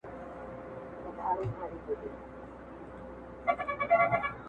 زما زړۀ کي فقط تۀ خلکو پیدا کړې ,